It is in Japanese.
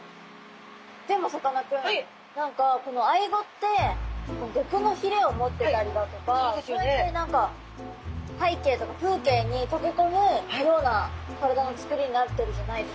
でもさかなクン何かこのアイゴって毒のひれを持ってたりだとかこうやって何か背景とか風景に溶け込むような体のつくりになってるじゃないですか。